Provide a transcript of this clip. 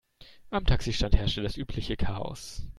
Am Taxistand herrschte das übliche Chaos.